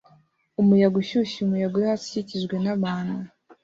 Umuyaga ushyushye umuyaga uri hasi ukikijwe nabantu